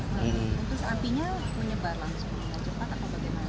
terus apinya menyebar langsung